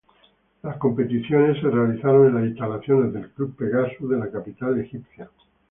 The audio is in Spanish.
Las competiciones se realizaron en las instalaciones del Club Pegasus de la capital egipcia.